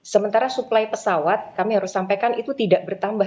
sementara suplai pesawat kami harus sampaikan itu tidak bertambah